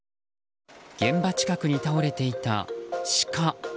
現場近くに倒れていたシカ。